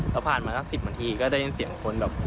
แล้วผ่านมาสัก๑๐นาทีก็ได้ยินเสียงคนแบบ